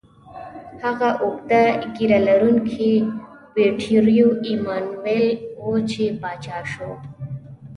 هغه اوږده ږیره لرونکی ویټوریو ایمانویل و، چې پاچا شو.